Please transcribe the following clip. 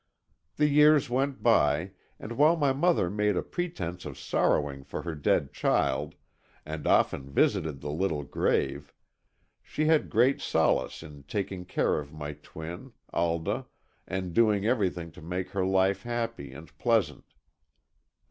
The years went by, and while my mother made a pretense of sorrowing for her dead child and often visited the little grave, she had great solace in taking care of my twin, Alda, and doing everything to make her life happy and pleasant.